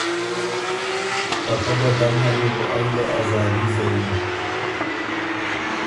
ته فۀ بدل نر يې بو ائ ګۀ ازادي زیِن